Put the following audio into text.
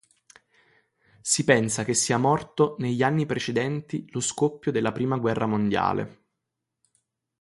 Si pensa che sia morto negli anni precedenti lo scoppio della prima guerra mondiale.